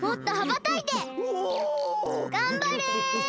がんばれ！